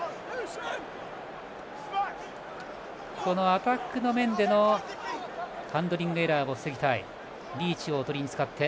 アタックの面でのハンドリングエラーを防ぎたい。